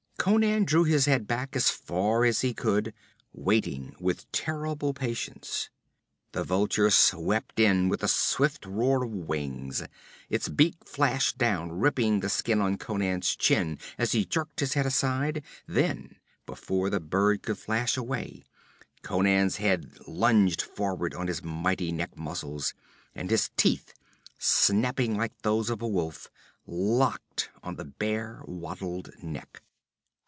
Conan drew his head back as far as he could, waiting with terrible patience. The vulture swept in with a swift roar of wings. Its beak flashed down, ripping the skin on Conan's chin as he jerked his head aside; then before the bird could flash away, Conan's head lunged forward on his mighty neck muscles, and his teeth, snapping like those of a wolf, locked on the bare, wattled neck.